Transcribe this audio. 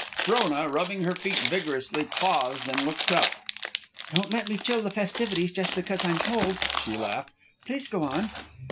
Frona, rubbing her feet vigorously, paused and looked up. "Don't let me chill the festivities just because I'm cold," she laughed. "Please go on."